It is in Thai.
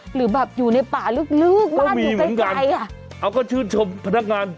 หรือแบบอยู่ในป่าลืกลืกบ้านอยู่ไกลไกลว่ามีเหมือนกันเอาก็ชื่นชมพนักงาน